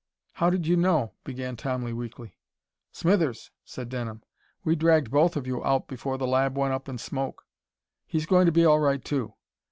"How did you know " began Tommy weakly. "Smithers," said Denham. "We dragged both of you out before the lab went up in smoke. He's going to be all right, too.